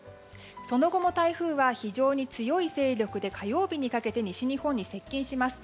その後も台風は非常に強い勢力で火曜日にかけて西日本に接近します。